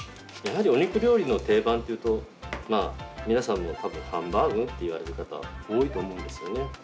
やはりお肉料理の定番っていうとまあ皆さんも多分ハンバーグと言われる方多いと思うんですよね。